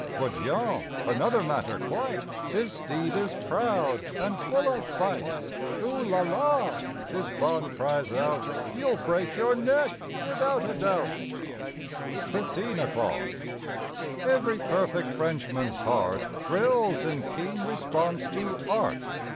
But Jean—another matter, quite! His steed is proud and full of fight. ''Oo la la!" His bonne cries out— "You'll break your neck without a doubt!" 33 . I A FOURTEEN O'CLOCK 35 FIFTEEN O'CLOCK E very perfect Frenchman's heart Thrills in keen response to Art.